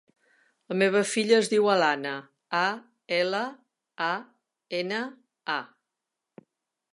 La meva filla es diu Alana: a, ela, a, ena, a.